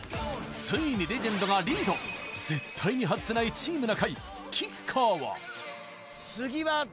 ついにレジェンドがリード絶対に外せないチーム中居キッカーは？